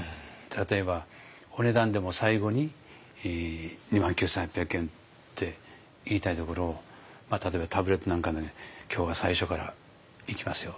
例えばお値段でも最後に２万９，８００円って言いたいところ例えばタブレットなんか「今日は最初からいきますよ